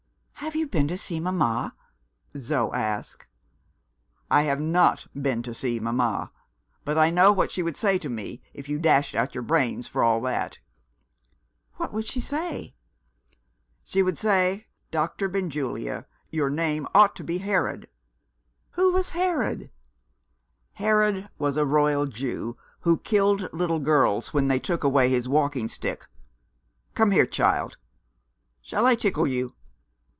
"Have you been to see Mama?" Zo asked. "I have not been to see Mama but I know what she would say to me if you dashed out your brains, for all that." "What would she say?" "She would say Doctor Benjulia, your name ought to be Herod."' "Who was Herod?" "Herod was a Royal Jew, who killed little girls when they took away his walking stick. Come here, child. Shall I tickle you?"